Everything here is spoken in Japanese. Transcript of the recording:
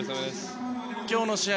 今日の試合